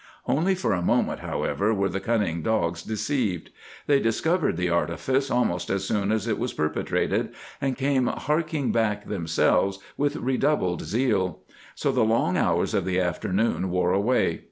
Only for a moment, however, were the cunning dogs deceived. They discovered the artifice almost as soon as it was perpetrated, and came harking back themselves with redoubled zeal. So the long hours of the afternoon wore away.